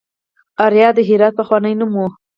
اریا د هرات پخوانی نوم و